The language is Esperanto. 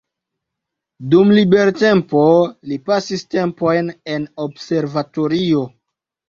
Dum libertempo li pasis tempojn en observatorio.